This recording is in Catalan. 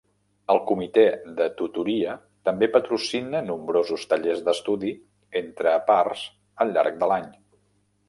El Comitè de Tutoria també patrocina nombrosos tallers d'estudi entre pars al llarg de l'any.